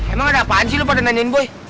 emang ada apaan sih lo pada nanyain boy